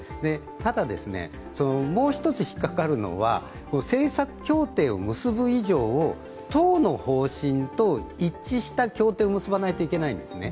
ただ、もう一つ引っかかるのは政策協定を結ぶ以上を党の方針と一致した協定を結ばないといけないんですね。